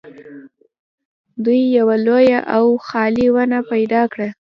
دوی یوه لویه او خالي ونه پیدا کړه